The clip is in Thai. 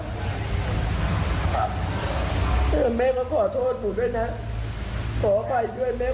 ขออภัยด้วยแม่ขออภัยที่สุดเลย